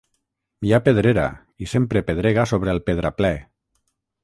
Hi ha pedrera, i sempre pedrega sobre el pedraplè.